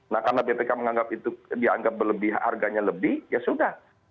nah karena bpk menganggap itu dianggap harganya lebih ya sudah